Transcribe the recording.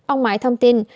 ông mãi thông tin